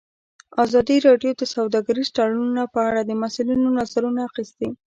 ازادي راډیو د سوداګریز تړونونه په اړه د مسؤلینو نظرونه اخیستي.